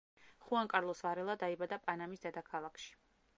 ხუან კარლოს ვარელა დაიბადა პანამის დედაქალაქში.